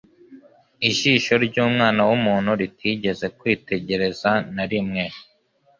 ijisho ry'Umwana w'umuntu ritigeze kwitegereza na rimwe.